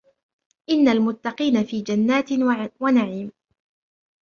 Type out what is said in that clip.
إِنَّ الْمُتَّقِينَ فِي جَنَّاتٍ وَنَعِيمٍ